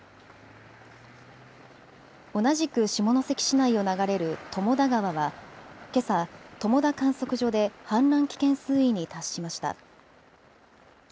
同じく下関市内を流れる友田川はけさ友田観測所で氾濫危険水位に達しました。